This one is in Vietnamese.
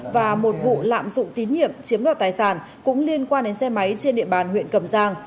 và một vụ lạm dụng tín nhiệm chiếm đoạt tài sản cũng liên quan đến xe máy trên địa bàn huyện cầm giang